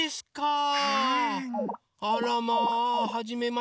あらまあはじめまして。